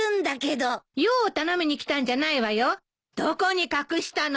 どこに隠したの？